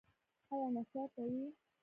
ایا نسوار کوئ؟